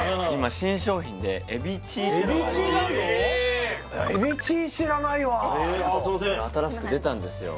新しく出たんですよ